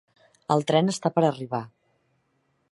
El tren està per arribar.